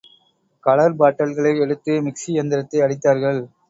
Colour பாட்டல்களை எடுத்து, mixie யந்திரத்தை அடித்தார்கள்.